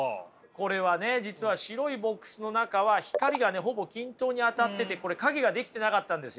これはね実は白いボックスの中は光がねほぼ均等に当たっててこれ影ができてなかったんですよね。